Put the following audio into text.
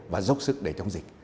và dốc sức để chống dịch